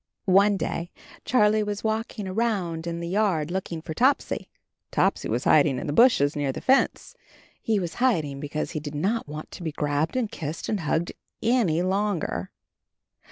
One day Charlie was walking around in the yard looking for Topsy. Topsy was hiding in the bushes near the fence. He was hiding because he did not want to be grabbed and kissed and hugged any longer.